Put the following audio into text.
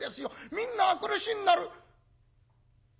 みんな明くる日になる」。